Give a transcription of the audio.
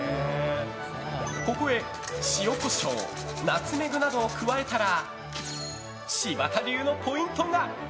ここへ塩、コショウナツメグなどを加えたら柴田流のポイントが。